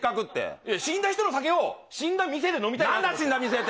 いや、死んだ人の酒を死んだ店で飲みたいなと思って。